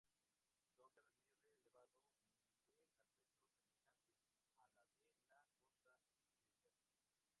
Son de relieve elevado y de aspecto semejante al de la costa inmediata.